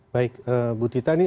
baik bu tita